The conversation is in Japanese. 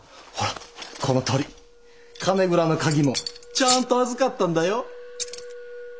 ほらこのとおり金蔵の鍵もちゃんと預かったんだよ。